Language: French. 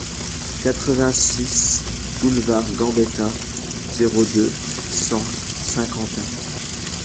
quatre-vingt-six boulevard Gambetta, zéro deux, cent, Saint-Quentin